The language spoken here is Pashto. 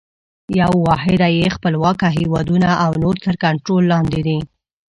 یوه واحده یې خپلواکه هیوادونه او نور تر کنټرول لاندي دي.